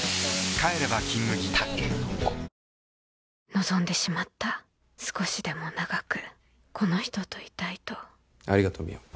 望んでしまった少しでも長くこの人といたいとありがとう美世